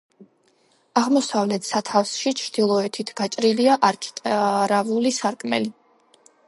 აღმოსავლეთ სათავსში, ჩრდილოეთით გაჭრილია არქიტრავული სარკმელი.